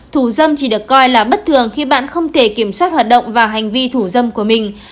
thủ dâm chỉ được coi là bất thường khi bạn không thể kiểm soát hoạt động và hành vi thủ dâm của mình